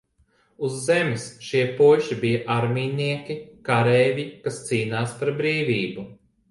Uz Zemes šie puiši bija armijnieki, kareivji, kas cīnās par brīvību.